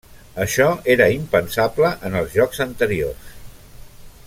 Això era impensable en els jocs anteriors.